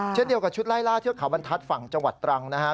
เช่นเดียวกับชุดไล่ล่าเทือกเขาบรรทัศน์ฝั่งจังหวัดตรังนะฮะ